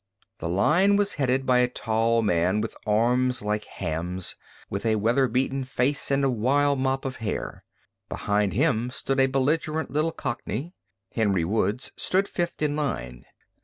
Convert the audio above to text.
The line was headed by a tall man with hands like hams, with a weather beaten face and a wild mop of hair. Behind him stood a belligerent little cockney. Henry Woods stood fifth in line.